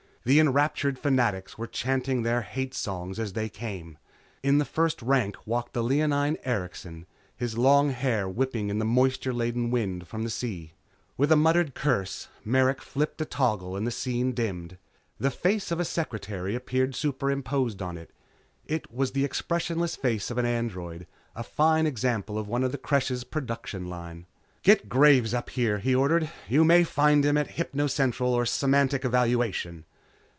The enraptured Fanatics were chanting their hate songs as they came. In the first rank walked the leonine Erikson, his long hair whipping in the moisture laden wind from the sea. With a muttered curse, Merrick flipped a toggle and the scene dimmed. The face of a secretary appeared superimposed on it. It was the expressionless face of an android, a fine example of the Creche's production line. "Get Graves up here," he ordered, "You may find him at Hypno Central or in Semantic Evaluation."